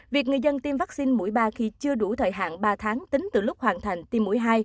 việc người dân tiêm vaccine mũi ba khi chưa đủ thời hạn ba tháng tính từ lúc hoàn thành tiêm mũi hai